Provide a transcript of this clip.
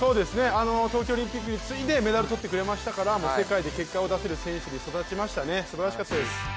東京オリンピックに次いでメダルをとってくれましたから世界で結果を出せる選手に育ちましたね、すばらしかったです。